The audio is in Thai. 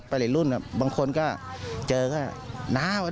ไปทำงานที่ไหนอย่างนั้น